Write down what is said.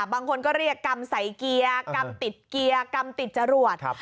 บางคนก็เรียกกรรมใส่เกียร์กรรมติดเกียร์กรรมติดจรวด